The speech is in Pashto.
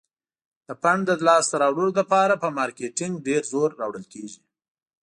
د فنډ د لاس ته راوړلو لپاره په مارکیټینګ ډیر زور راوړل کیږي.